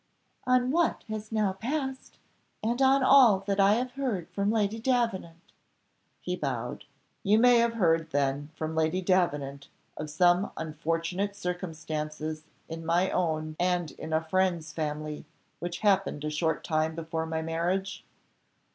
"On what has now passed, and on all that I have heard from Lady Davenant." He bowed. "You may have heard then, from Lady Davenant, of some unfortunate circumstances in my own and in a friend's family which happened a short time before my marriage?"